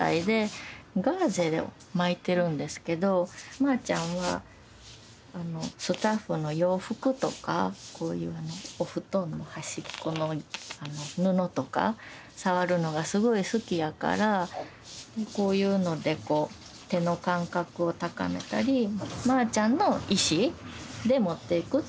ガーゼを巻いてるんですけどまあちゃんはスタッフの洋服とかこういうあのお布団の端っこの布とか触るのがすごい好きやからこういうのでこう手の感覚を高めたりまあちゃんの意思で持っていくというの大事にしたり。